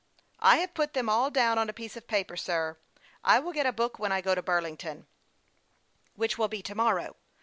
" I have put them all down on a piece of paper, sir. I will get a book when I go to Burlington." " Which will be to morrow.